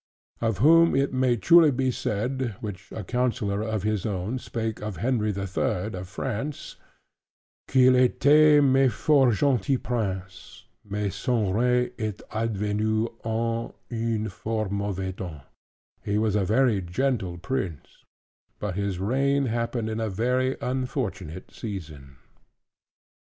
Of whom it may truly be said which a counsellor of his own spake of Henry the Third of France, "Qu'il estait tme fort gentile Prince; mais son reigne est advenu en une fort mauvais temps:" "He was a very gentle Prince; but his reign happened in a very unfortunate season."